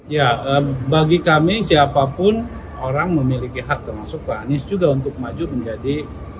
ya bagi kami siapapun orang memiliki hak termasuk pak anies juga untuk maju menjadi